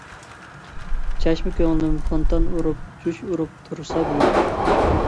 چەشمە كۆڭلۈم فونتان ئۇرۇپ جۇش ئۇرۇپ تۇرسا بۈگۈن.